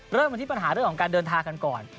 เริ่มกันที่ปัญหาเรื่องของการเดินทางกันก่อน